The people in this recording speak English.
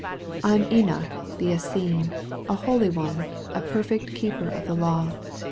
I am Enoch the Essene, a holy one, a perfect keeper of the law.